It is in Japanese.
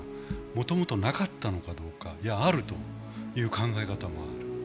もともとなかったのかどうか、いや、あるという考え方もある。